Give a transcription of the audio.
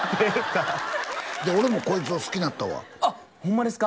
俺もコイツを好きなったわあホンマですか？